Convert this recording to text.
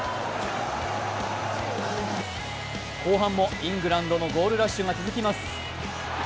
後半もイングランドのゴールラッシュが続きます。